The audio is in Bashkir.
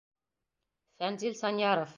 Фәнзил САНЪЯРОВ.